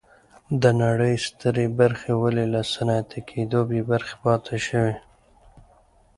د نړۍ سترې برخې ولې له صنعتي کېدو بې برخې پاتې شوې.